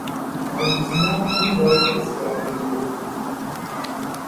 Arrondissement, unweit des Gare de Lyon.